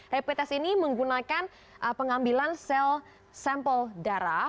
rapid test ini menggunakan pengambilan sel sampel darah